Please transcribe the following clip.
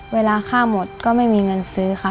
เวลาข้าวหมดก็ไม่มีเงินซื้อค่ะ